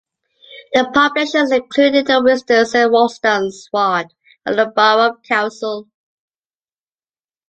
The population is included in the Wigston Saint Wolstan's ward of the borough council.